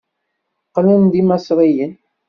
Qqlen d imesriyen.